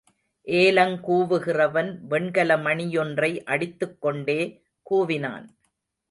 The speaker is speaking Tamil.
ஏலங் கூவுகிறவன், வெண்கல மணியொன்றை அடித்துக் கொண்டே கூவினான்.